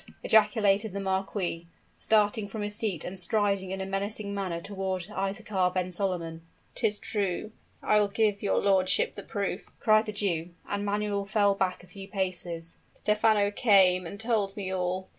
ejaculated the marquis, starting from his seat and striding in a menacing manner toward Isaachar ben Solomon. "'Tis true! I will give your lordship the proof!" cried the Jew: and Manuel fell back a few paces. "Stephano came and told me all.